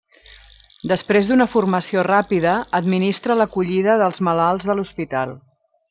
Després d'una formació ràpida, administra l'acollida dels malalts de l'hospital.